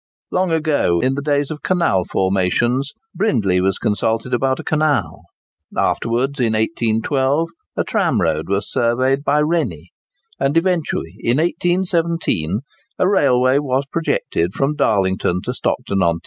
Long ago, in the days of canal formations, Brindley was consulted about a canal; afterwards, in 1812, a tramroad was surveyed by Rennie; and eventually, in 1817, a railway was projected from Darlington to Stockton on Tees.